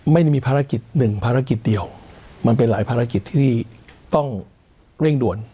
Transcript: ไม่ได้มีภารกิจหนึ่งภารกิจเดียวมันเป็นหลายภารกิจที่ต้องเร่งด่วน